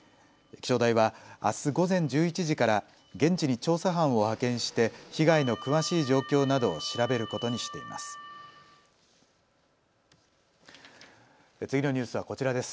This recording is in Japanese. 気象台は、あす午前１１時から現地に調査班を派遣して被害の詳しい状況などを調べることにしています。